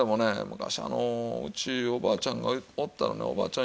昔うちおばあちゃんがおったらねおばあちゃん